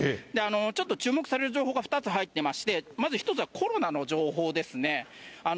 ちょっと注目される情報が２つ入っていまして、まず１つはコロナの情報ですね。